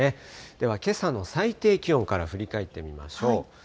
では、けさの最低気温から振り返ってみましょう。